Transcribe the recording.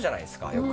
よく。